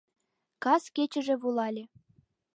Кас кечыже волале